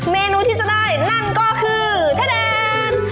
เมนูที่จะได้นั่นก็คือทะแดน